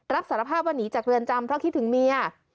รับสารภาพว่าหนีจากเรือนจำเพราะคิดถึงเมีย